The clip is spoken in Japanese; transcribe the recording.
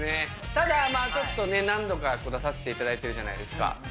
ただまあ、ちょっと何度か出させていただいてるじゃないですか。